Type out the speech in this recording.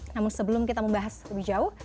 namun sebelum kita membahas lebih jauh